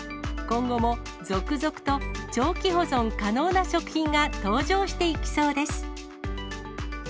今後も続々と長期保存可能な食品が登場していきそうです。